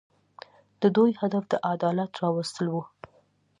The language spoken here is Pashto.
د دوی هدف د عدالت راوستل وو.